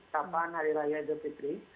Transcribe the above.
kapan hari raya idul fitri